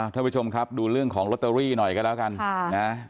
ท่านผู้ชมครับดูเรื่องของลอตเตอรี่หน่อยก็แล้วกัน